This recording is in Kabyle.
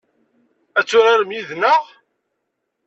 Ad turaremt yid-neɣ?